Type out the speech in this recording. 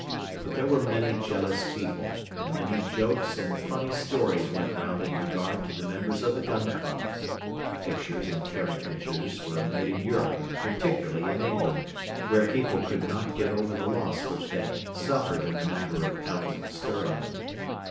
But there were many jealous people, and many jokes and funny stories went round in regard to the members of the Gun Club. Pictures and caricatures were made in Europe and particularly in England, where people could not get over the loss which they suffered in the matter of pounds sterling.